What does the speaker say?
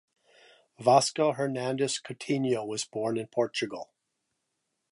Vasco Fernandes Coutinho was born in Portugal.